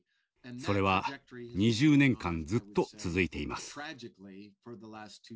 それは２０年間ずっと続いています。